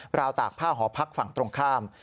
ราวตากผ้าหอพักฝั่งตรงข้าม